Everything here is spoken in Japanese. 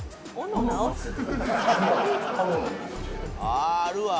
「ああーあるわ！」